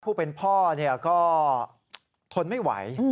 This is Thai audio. ผู้เป็นพ่อก็ทนไม่ไหว